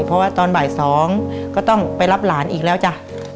เพราะว่าตอนบ่าย๒ก็ต้องไปรับหลานอีกแล้วจ้ะ